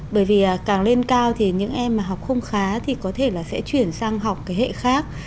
bởi vì càng lên cao thì những em mà học không khá thì có thể là sẽ chuyển sang học cái hệ khác